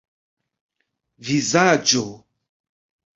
vizaĝo